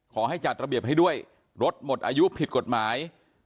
ขอให้จัดระเบียบให้ด้วยรถหมดอายุผิดกฎหมาย